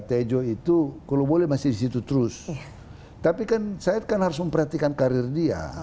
tejo itu kalau boleh masih di situ terus tapi kan syed harus memperhatikan karir dia